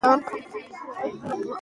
زه هره ورځ په سونا کې نه ناست یم.